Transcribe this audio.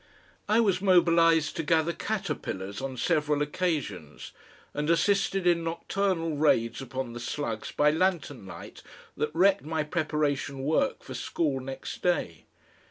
I was mobilised to gather caterpillars on several occasions, and assisted in nocturnal raids upon the slugs by lantern light that wrecked my preparation work for school next day.